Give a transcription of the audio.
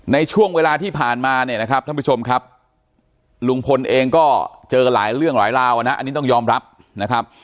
ในช่วงเวลาที่ผ่านมาเนี่ยนะครับท่านผู้ชมครับลุงพลเองก็เจอหลายเรื่องหลายราวนะอันนี้ต้องยอมรับนะครับ